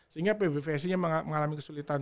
sehingga pbvsi nya mengalami kesulitan